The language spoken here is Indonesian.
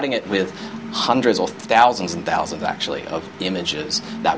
menggunakan pengusahaan menghasilkan beberapa ribuan gambar